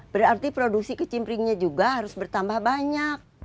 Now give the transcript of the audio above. berarti produksi ke cimpringnya juga harus bertambah banyak